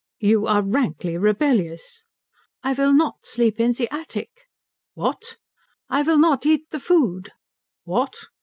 "You are rankly rebellious?" "I will not sleep in the attic." "What!" "I will not eat the food." "What!"